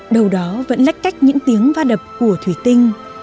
đâu đó vẫn lách cách những tiếng va đập của thủy tinh